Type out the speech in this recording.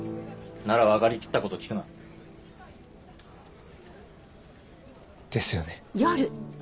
なら分かりきったこと聞くな。ですよね。